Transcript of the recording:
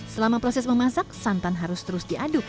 selama proses memasak santan harus terus diaduk